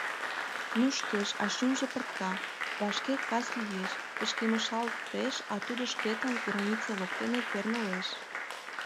Нушкеш, а шӱмжӧ пыртка: вашке кас лиеш, пычкемышалтеш, а тудо шкетын граница воктене пернылеш.